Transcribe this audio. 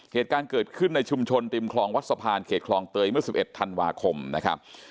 เหตุการณ์เกิดขึ้นในชุมชนริมคลองวัดสะพานเขตคลองเตยเมื่อ๑๑ธันวาคมนะครับ